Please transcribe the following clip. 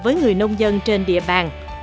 với người nông dân trên địa bàn